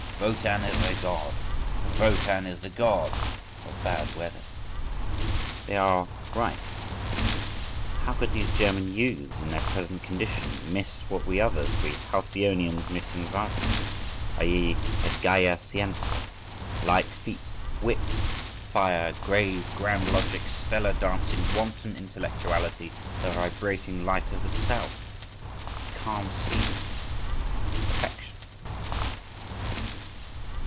Wotan is their God, but Wotan is the God of bad weather.… They are right, how could these German youths—in their present condition,—miss what we others, we halcyonians, miss in Wagner? i.e.: la gaya scienza; light feet, wit, fire, grave, grand logic, stellar dancing, wanton intellectuality, the vibrating light of the South, the calm sea—perfection.